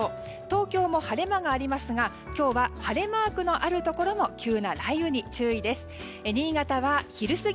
東京も晴れ間がありますが今日は晴れマークのあるところも急な雷雨に注意です。